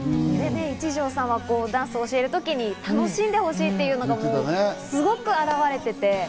一条さんはダンスを教えるときに楽しんでほしいというのがね、すごく表れていて。